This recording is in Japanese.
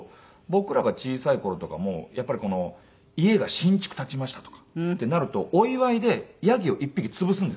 僕らが小さい頃とかもやっぱり家が新築建ちましたとかってなるとお祝いでヤギを１匹潰すんですよ。